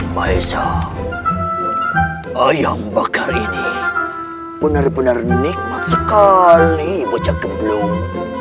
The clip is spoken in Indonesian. maesa ayam bakar ini benar benar nikmat sekali bocah geblung